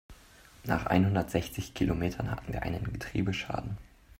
Nach einhundertsechzig Kilometern hatten wir einen Getriebeschaden.